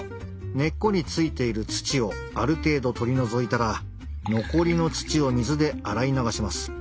根っこに着いている土をある程度取り除いたら残りの土を水で洗い流します。